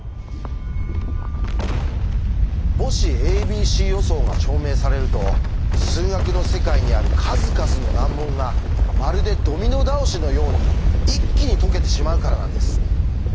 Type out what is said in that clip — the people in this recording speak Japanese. もし「ａｂｃ予想」が証明されると数学の世界にある数々の難問がまるでドミノ倒しのように一気に解けてしまうからなんです。